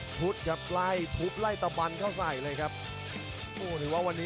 ทุบไล่ตบัน